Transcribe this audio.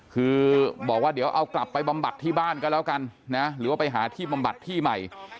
คือบอกว่าเดี๋ยวเอากลับไปบำบัดที่บ้านก็แล้วกันนะหรือว่าไปหาที่บำบัดที่ใหม่